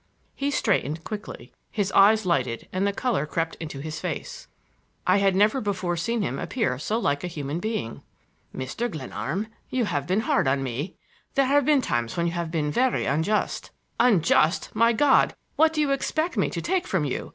He straightened quickly,—his eyes lighted and the color crept into his face. I had never before seen him appear so like a human being. "Mr. Glenarm, you have been hard on me; there have been times when you have been very unjust—" "Unjust,—my God, what do you expect me to take from you!